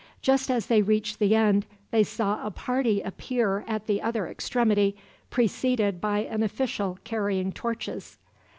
Just as they reached the end, they saw a party appear at the other extremity, preceded by an official carrying torches.